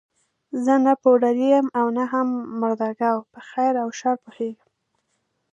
زه نه پوډري یم او نه هم مرده ګو، په خیر او شر پوهېږم.